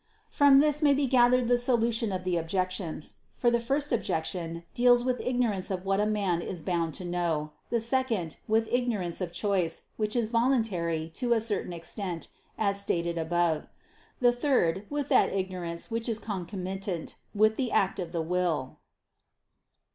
From this may be gathered the solution of the objections. For the first objection deals with ignorance of what a man is bound to know. The second, with ignorance of choice, which is voluntary to a certain extent, as stated above. The third, with that ignorance which is concomitant with the act of the will.